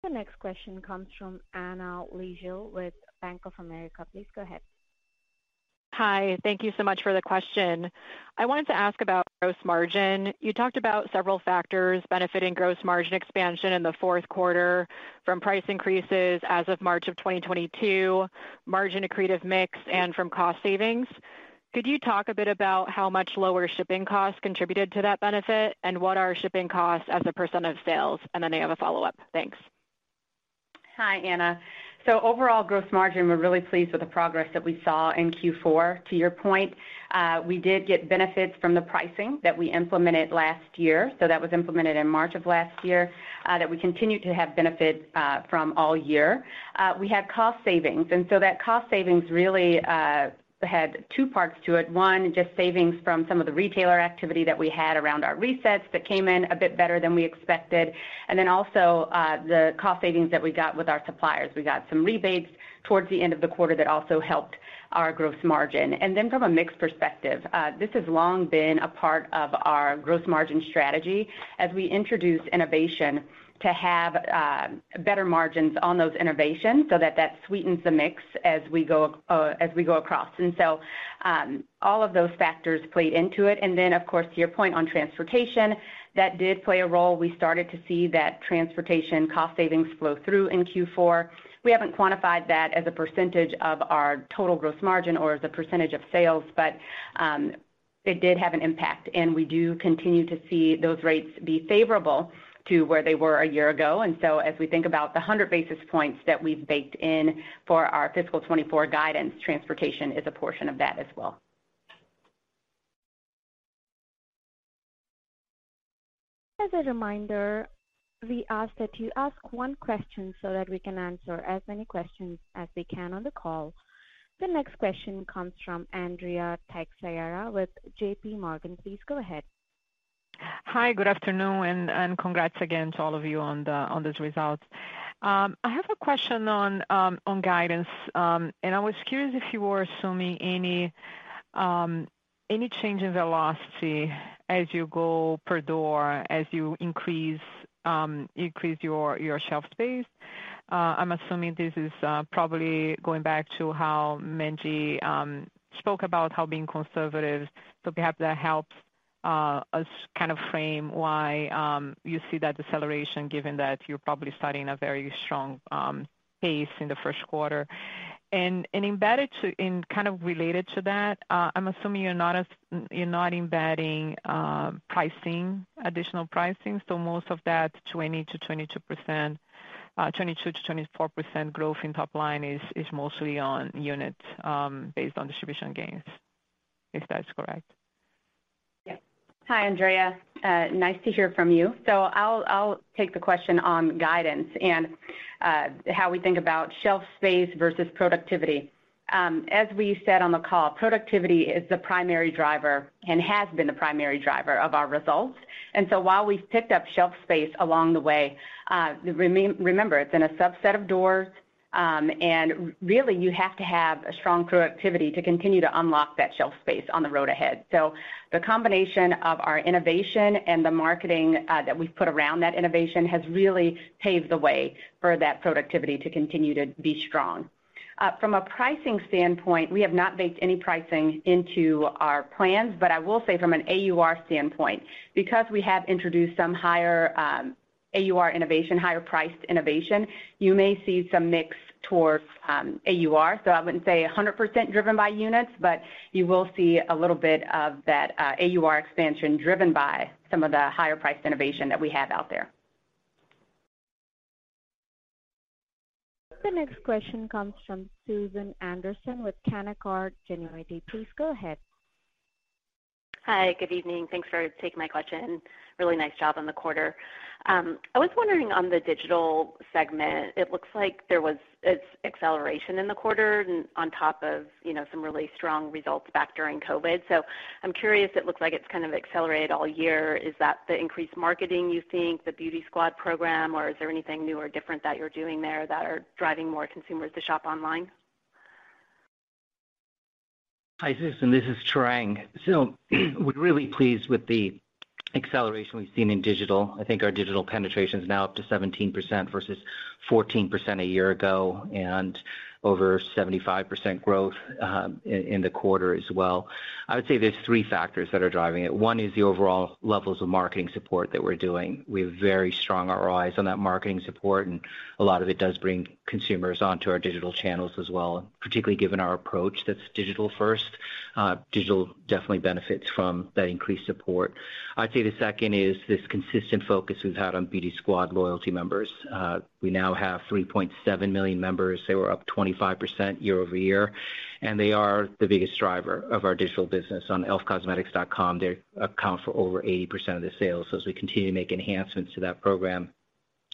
The next question comes from Anna Lizzul with Bank of America. Please go ahead. Hi. Thank you so much for the question. I wanted to ask about gross margin. You talked about several factors benefiting gross margin expansion in the fourth quarter from price increases as of March of 2022, margin accretive mix, and from cost savings. Could you talk a bit about how much lower shipping costs contributed to that benefit, and what are shipping costs as a % of sales? I have a follow-up. Thanks. Hi, Anna. Overall gross margin, we're really pleased with the progress that we saw in Q4. To your point, we did get benefits from the pricing that we implemented last year. That was implemented in March of last year, that we continued to have benefits from all year. We had cost savings, that cost savings really had two parts to it. One, just savings from some of the retailer activity that we had around our resets that came in a bit better than we expected, and then also, the cost savings that we got with our suppliers. We got some rebates towards the end of the quarter that also helped our gross margin. From a mix perspective, this has long been a part of our gross margin strategy as we introduce innovation to have better margins on those innovations so that that sweetens the mix as we go as we go across. All of those factors played into it. Of course, to your point on transportation, that did play a role. We started to see that transportation cost savings flow through in Q4. We haven't quantified that as a percentage of our total gross margin or as a percentage of sales. It did have an impact, and we do continue to see those rates be favorable to where they were a year ago. As we think about the 100 basis points that we've baked in for our fiscal 2024 guidance, transportation is a portion of that as well. As a reminder, we ask that you ask one question so that we can answer as many questions as we can on the call. The next question comes from Andrea Teixeira with JPMorgan. Please go ahead. Hi, good afternoon, and congrats again to all of you on the, on those results. I have a question on guidance, and I was curious if you were assuming any change in velocity as you go per door, as you increase your shelf space. I'm assuming this is probably going back to how Mandy spoke about how being conservative. Perhaps that helps us kind of frame why you see that deceleration given that you're probably starting a very strong pace in the first quarter. Kind of related to that, I'm assuming you're not embedding pricing, additional pricing. Most of that 22%-24% growth in top line is mostly on units based on distribution gains. If that's correct? Yeah. Hi, Andrea. nice to hear from you. I'll take the question on guidance and how we think about shelf space versus productivity. As we said on the call, productivity is the primary driver and has been the primary driver of our results. While we've picked up shelf space along the way, remember, it's in a subset of doors, and really, you have to have a strong productivity to continue to unlock that shelf space on the road ahead. The combination of our innovation and the marketing that we've put around that innovation has really paved the way for that productivity to continue to be strong. From a pricing standpoint, we have not baked any pricing into our plans, but I will say from an AUR standpoint, because we have introduced some higher AUR innovation, higher-priced innovation, you may see some mix towards AUR. I wouldn't say 100% driven by units, but you will see a little bit of that AUR expansion driven by some of the higher priced innovation that we have out there. The next question comes from Susan Anderson with Canaccord Genuity. Please go ahead. Hi, good evening. Thanks for taking my question. Really nice job on the quarter. I was wondering on the digital segment, it looks like there was its acceleration in the quarter on top of, you know, some really strong results back during COVID. I'm curious, it looks like it's kind of accelerated all year. Is that the increased marketing you think, the Beauty Squad program, or is there anything new or different that you're doing there that are driving more consumers to shop online? Hi, Susan, this is Tarang. We're really pleased with the acceleration we've seen in digital. I think our digital penetration is now up to 17% versus 14% a year ago and over 75% growth in the quarter as well. I would say there's three factors that are driving it. One is the overall levels of marketing support that we're doing. We have very strong ROIs on that marketing support, and a lot of it does bring consumers onto our digital channels as well, particularly given our approach that's digital first. Digital definitely benefits from that increased support. I'd say the second is this consistent focus we've had on Beauty Squad loyalty members. We now have 3.7 million members. They were up 25% year-over-year, and they are the biggest driver of our digital business. On elfcosmetics.com, they account for over 80% of the sales. As we continue to make enhancements to that program,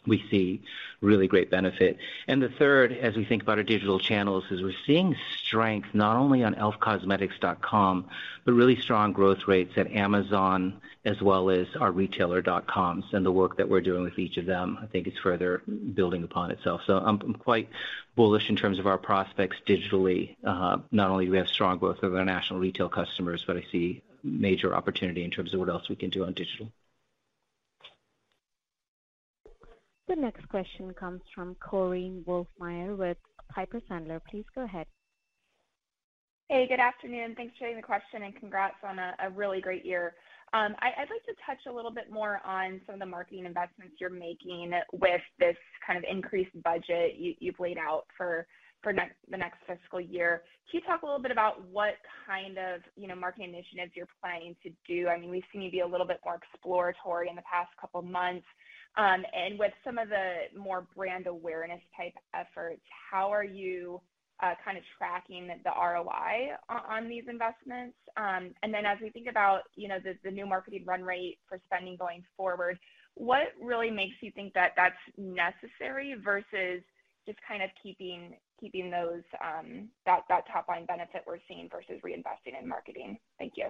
we see really great benefit. The third, as we think about our digital channels, is we're seeing strength not only on elfcosmetics.com, but really strong growth rates at Amazon as well as our retailer dot coms and the work that we're doing with each of them, I think is further building upon itself. I'm quite bullish in terms of our prospects digitally. Not only do we have strong growth with our national retail customers, but I see major opportunity in terms of what else we can do on digital. The next question comes from Korinne Wolfmeyer with Piper Sandler. Please go ahead. Hey, good afternoon. Thanks for taking the question and congrats on a really great year. I'd like to touch a little bit more on some of the marketing investments you're making with this kind of increased budget you've laid out for the next fiscal year. Can you talk a little bit about what kind of, you know, marketing initiatives you're planning to do? I mean, we've seen you be a little bit more exploratory in the past couple months, and with some of the more brand awareness type efforts, how are you kind of tracking the ROI on these investments? As we think about, you know, the new marketing run rate for spending going forward, what really makes you think that that's necessary versus just kind of keeping those that top line benefit we're seeing versus reinvesting in marketing? Thank you.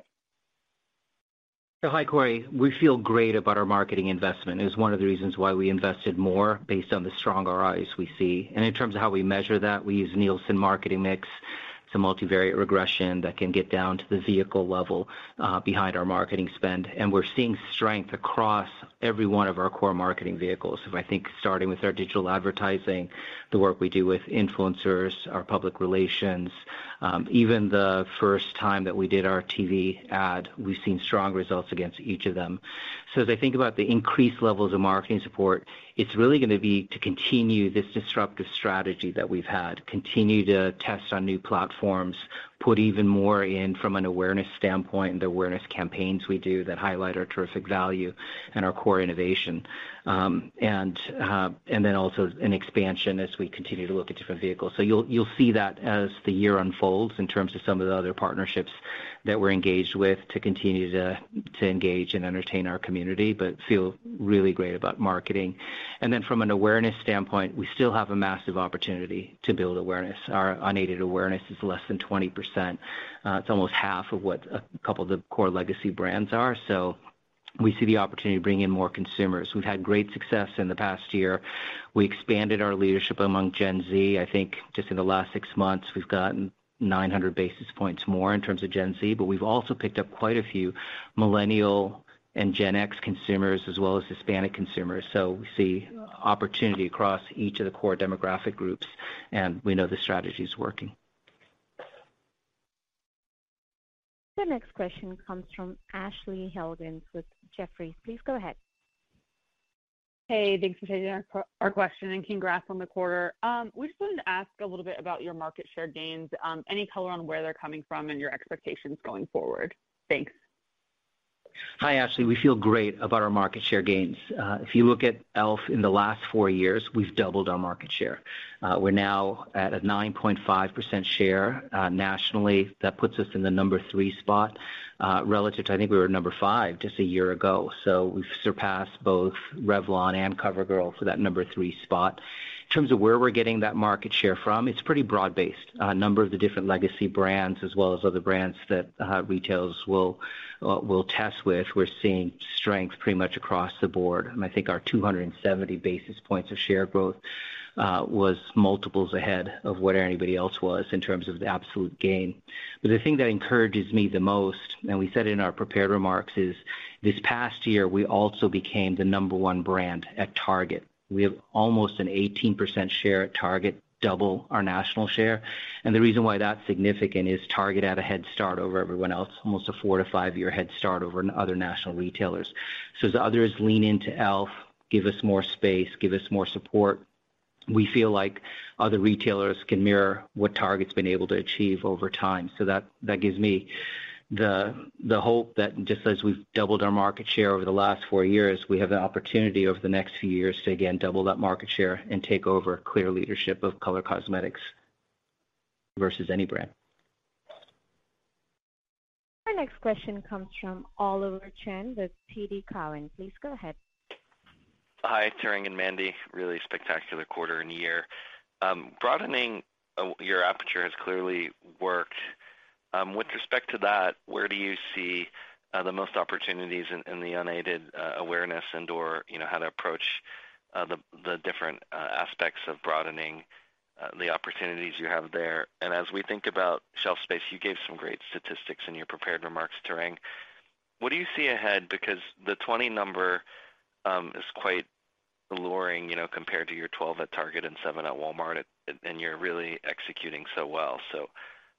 Hi, Corey. We feel great about our marketing investment. It is one of the reasons why we invested more based on the strong ROIs we see. In terms of how we measure that, we use Nielsen Marketing Mix. It's a multivariate regression that can get down to the vehicle level behind our marketing spend. We're seeing strength across every one of our core marketing vehicles. I think starting with our digital advertising, the work we do with influencers, our public relations. Even the first time that we did our TV ad, we've seen strong results against each of them. As I think about the increased levels of marketing support, it's really gonna be to continue this disruptive strategy that we've had. Continue to test on new platforms, put even more in from an awareness standpoint and the awareness campaigns we do that highlight our terrific value and our core innovation. An expansion as we continue to look at different vehicles. You'll see that as the year unfolds in terms of some of the other partnerships that we're engaged with to continue to engage and entertain our community, feel really great about marketing. From an awareness standpoint, we still have a massive opportunity to build awareness. Our unaided awareness is less than 20%. It's almost half of what a couple of the core legacy brands are. We see the opportunity to bring in more consumers. We've had great success in the past year. We expanded our leadership among Gen Z. I think just in the last six months, we've gotten 900 basis points more in terms of Gen Z. We've also picked up quite a few millennial and Gen X consumers as well as Hispanic Consumers. We see opportunity across each of the core demographic groups, and we know the strategy is working. The next question comes from Ashley Helgans with Jefferies. Please go ahead. Hey, thanks for taking our question, and congrats on the quarter. We just wanted to ask a little bit about your market share gains, any color on where they're coming from and your expectations going forward. Thanks. Hi, Ashley. We feel great about our market share gains. If you look at e.l.f. in the last four years, we've doubled our market share. We're now at a 9.5% share nationally. That puts us in the number three spot relative to, I think we were number five just a year ago. We've surpassed both Revlon and CoverGirl for that number three spot. In terms of where we're getting that market share from, it's pretty broad-based. A number of the different legacy brands as well as other brands that retailers will test with. We're seeing strength pretty much across the board, and I think our 270 basis points of share growth was multiples ahead of where anybody else was in terms of the absolute gain. The thing that encourages me the most, and we said in our prepared remarks, is this past year, we also became the number 1 brand at Target. We have almost an 18% share at Target, double our national share. The reason why that's significant is Target had a head start over everyone else, almost a four to five-year head start over other national retailers. As the others lean into e.l.f., give us more space, give us more support, we feel like other retailers can mirror what Target's been able to achieve over time. That gives me the hope that just as we've doubled our market share over the last 4 years, we have the opportunity over the next few years to again double that market share and take over clear leadership of color cosmetics versus any brand. Our next question comes from Oliver Chen with TD Cowen. Please go ahead. Hi, Tarang and Mandy. Really spectacular quarter and year. broadening your aperture has clearly worked. With respect to that, where do you see the most opportunities in the unaided awareness and/or, you know, how to approach the different aspects of broadening the opportunities you have there? As we think about shelf space, you gave some great statistics in your prepared remarks, Tarang. What do you see ahead? Because the 20 number is quite alluring, you know, compared to your 12 at Target and seven at Walmart, and you're really executing so well.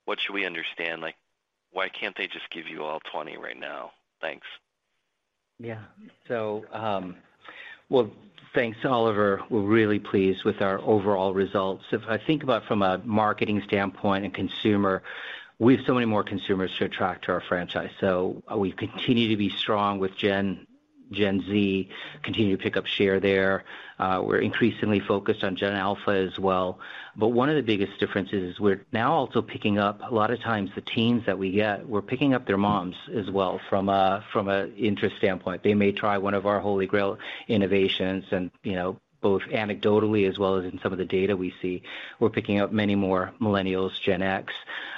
What should we understand? Like, why can't they just give you all 20 right now? Thanks. Yeah. Well, thanks, Oliver. We're really pleased with our overall results. If I think about from a marketing standpoint and consumer, we have so many more consumers to attract to our franchise. We continue to be strong with Gen Z, continue to pick up share there. We're increasingly focused on Gen Alpha as well. One of the biggest differences is we're now also picking up a lot of times the teens that we get, we're picking up their moms as well from a interest standpoint. They may try one of our Holy Grail innovations and, you know, both anecdotally as well as in some of the data we see, we're picking up many more millennials, Gen X.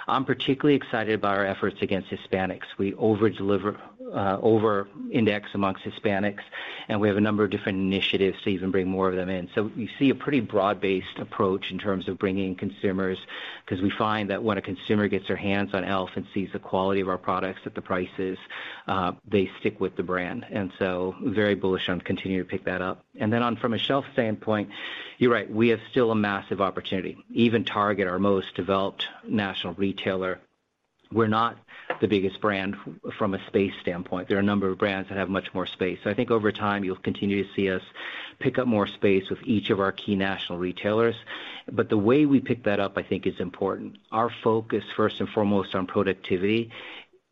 I'm particularly excited by our efforts against Hispanics. We over-deliver, over-index amongst Hispanics, and we have a number of different initiatives to even bring more of them in. You see a pretty broad-based approach in terms of bringing in consumers, 'cause we find that when a consumer gets their hands on e.l.f. and sees the quality of our products at the prices, they stick with the brand. Very bullish on continuing to pick that up. Then on from a shelf standpoint, you're right, we have still a massive opportunity. Even Target, our most developed national retailer, we're not the biggest brand from a space standpoint. There are a number of brands that have much more space. I think over time, you'll continue to see us pick up more space with each of our key national retailers. The way we pick that up, I think is important. Our focus, first and foremost, on productivity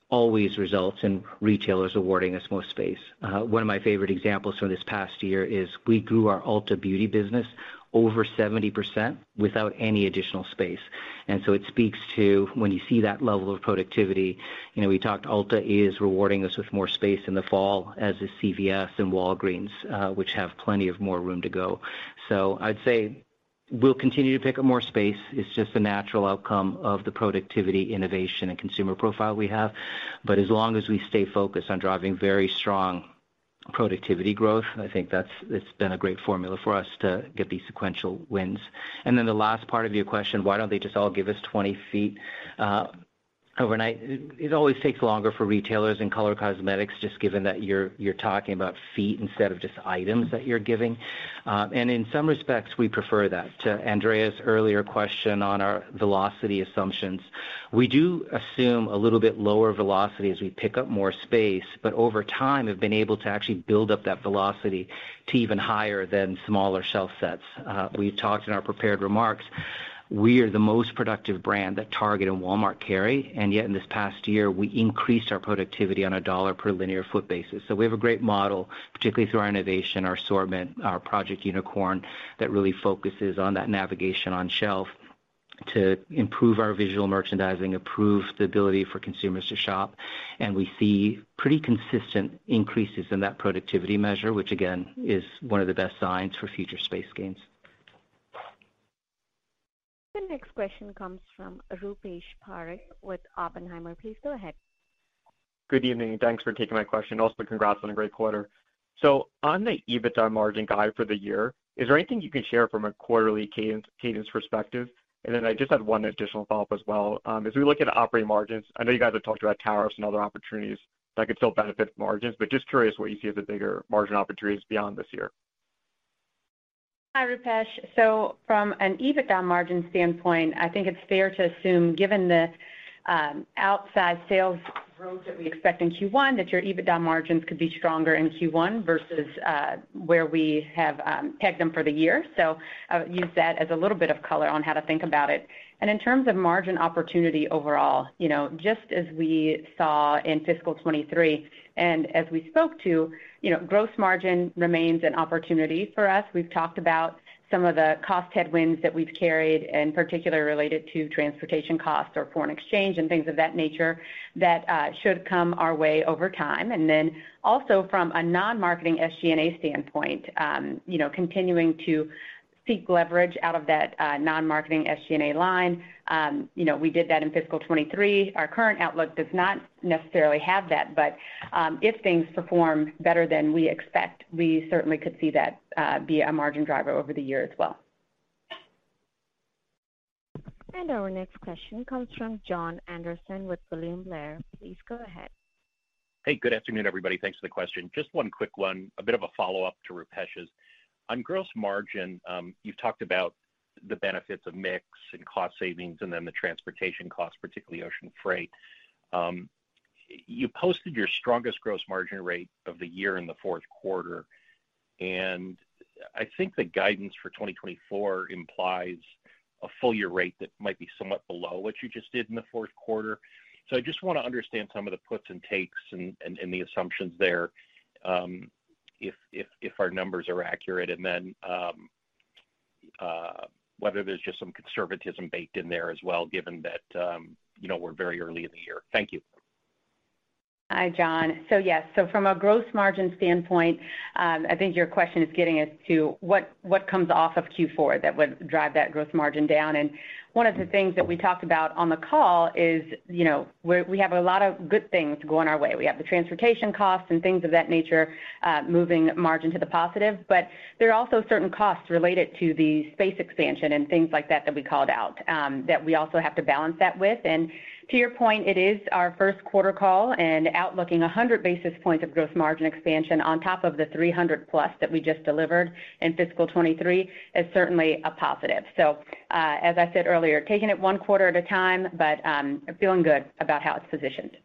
always results in retailers awarding us more space. One of my favorite examples from this past year is we grew our Ulta Beauty business over 70% without any additional space. It speaks to when you see that level of productivity, you know, we talked Ulta is rewarding us with more space in the fall as is CVS and Walgreens, which have plenty of more room to go. I'd say we'll continue to pick up more space. It's just a natural outcome of the productivity, innovation, and consumer profile we have. As long as we stay focused on driving very strong productivity growth, I think that's been a great formula for us to get these sequential wins. The last part of your question, why don't they just all give us 20 feet? Overnight. It always takes longer for retailers in Color Cosmetics, just given that you're talking about feet instead of just items that you're giving. In some respects, we prefer that. To Andrea Teixeira's earlier question on our velocity assumptions, we do assume a little bit lower velocity as we pick up more space, but over time, have been able to actually build up that velocity to even higher than smaller shelf sets. We talked in our prepared remarks, we are the most productive brand that Target and Walmart carry, yet in this past year, we increased our productivity on a dollar per linear foot basis. We have a great model, particularly through our innovation, our assortment, our Project Unicorn that really focuses on that navigation on shelf to improve our Visual Merchandising, improve the ability for consumers to shop. We see pretty consistent increases in that productivity measure, which again, is one of the best signs for future space gains. The next question comes from Rupesh Parikh with Oppenheimer. Please go ahead. Good evening, thanks for taking my question. Congrats on a great quarter. On the EBITDA margin guide for the year, is there anything you can share from a quarterly cadence perspective? I just had one additional follow-up as well. As we look at operating margins, I know you guys have talked about tariffs and other opportunities that could still benefit margins, but just curious what you see as the bigger margin opportunities beyond this year. Hi, Rupesh. From an EBITDA margin standpoint, I think it's fair to assume, given the outsized sales growth that we expect in Q1, that your EBITDA margins could be stronger in Q1 versus where we have pegged them for the year. I would use that as a little bit of color on how to think about it. In terms of margin opportunity overall, you know, just as we saw in fiscal 2023, as we spoke to, you know, gross margin remains an opportunity for us. We've talked about some of the cost headwinds that we've carried, particularly related to transportation costs or foreign exchange and things of that nature that should come our way over time. Also from a non-marketing SG&A standpoint, you know, continuing to seek leverage out of that non-marketing SG&A line. you know, we did that in fiscal 2023. Our current outlook does not necessarily have that, if things perform better than we expect, we certainly could see that be a margin driver over the year as well. Our next question comes from Jon Andersen with William Blair. Please go ahead. Hey, good afternoon, everybody. Thanks for the question. Just one quick one, a bit of a follow-up to Rupesh. On gross margin, you've talked about the benefits of mix and cost savings and then the transportation costs, particularly ocean freight. You posted your strongest gross margin rate of the year in the fourth quarter, and I think the guidance for 2024 implies a full year rate that might be somewhat below what you just did in the fourth quarter. I just wanna understand some of the puts and takes and the assumptions there, if our numbers are accurate, and then, whether there's just some conservatism baked in there as well, given that, you know, we're very early in the year. Thank you. Hi, Jon. Yes. From a gross margin standpoint, I think your question is getting as to what comes off of Q4 that would drive that gross margin down. One of the things that we talked about on the call is, you know, we have a lot of good things going our way. We have the transportation costs and things of that nature, moving margin to the positive. There are also certain costs related to the space expansion and things like that that we called out, that we also have to balance that with. To your point, it is our first quarter call and outlooking 100 basis points of gross margin expansion on top of the 300+ that we just delivered in fiscal 2023 is certainly a positive. As I said earlier, taking it one quarter at a time, but feeling good about how it's positioned.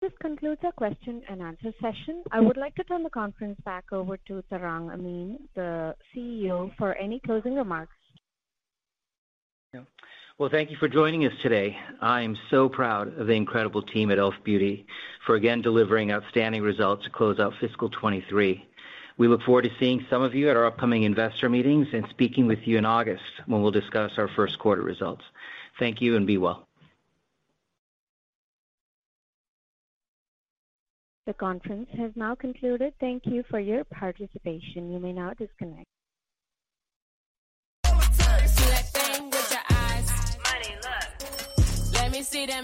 This concludes our question and answer session. I would like to turn the conference back over to Tarang Amin, the CEO, for any closing remarks. Thank you for joining us today. I am so proud of the incredible team at e.l.f. Beauty for again delivering outstanding results to close out fiscal 2023. We look forward to seeing some of you at our upcoming investor meetings and speaking with you in August when we'll discuss our first quarter results. Thank you, and be well. The conference has now concluded. Thank you for your participation. You may now disconnect. See that thing with your eyes. Money look. Let me see them.